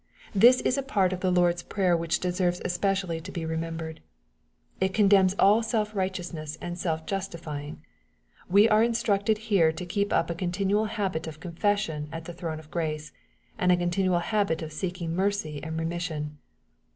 This is a part of the Lord's prayer which deserves especially to be remembered. It condemns all self* MATTHEW, OHAP. VI. 58 righteousness and self justifying. We are instructed here to keep up a continual habit of confession at the throne of grace, and a continual habit of seeking mercy and remission.